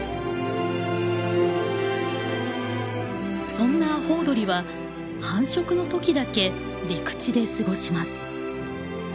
そんなアホウドリは繁殖の時だけ陸地で過ごします。